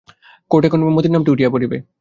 কোর্টে এখন মতির নামটি উঠিয়া পড়িবে।